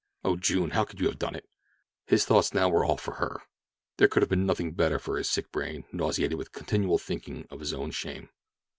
Oh, June, how could you have done it?" His thoughts now were all for her. There could have been nothing better for his sick brain, nauseated with continual thinking of his own shame.